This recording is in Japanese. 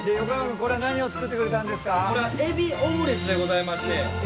これはエビオムレツでございまして。